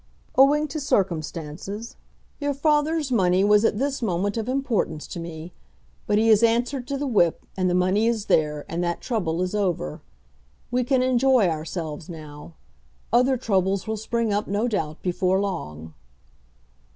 Owing to circumstances, your father's money was at this moment of importance to me; but he has answered to the whip and the money is there, and that trouble is over. We can enjoy ourselves now. Other troubles will spring up, no doubt, before long."